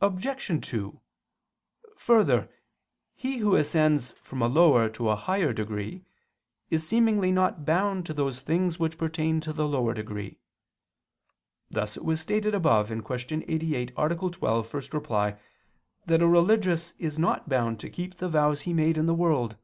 Obj. 2: Further, he who ascends from a lower to a higher degree is seemingly not bound to those things which pertain to the lower degree: thus it was stated above (Q. 88, A. 12, ad 1) that a religious is not bound to keep the vows he made in the world.